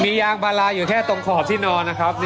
มียางบาลาอยู่แค่ตรงขอบที่นอนนะครับ